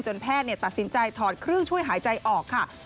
แพทย์ตัดสินใจถอดเครื่องช่วยหายใจออกค่ะ